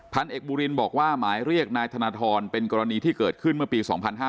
พันเอกบุรินบอกว่าหมายเรียกนายธนทรเป็นกรณีที่เกิดขึ้นเมื่อปี๒๕๕๙